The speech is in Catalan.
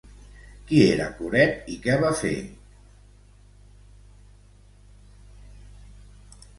Qui era Coreb i què va fer?